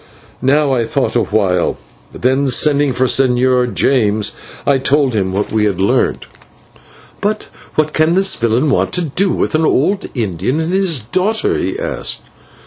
Now I thought a while, then, sending for the Señor James, I told him what we had learnt. "But what can this villain want to do with an old Indian and his daughter?" he asked.